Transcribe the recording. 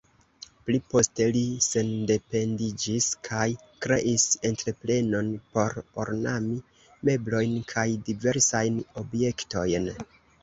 Pli poste li sendependiĝis kaj kreis entreprenon por ornami meblojn kaj diversajn objektojn.